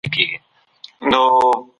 سبا به پانګوال د نوي بازار په اړه خبرې کوي.